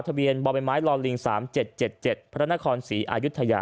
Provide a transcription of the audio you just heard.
ทะเบียนบ่อใบไม้ลอลิง๓๗๗พระนครศรีอายุทยา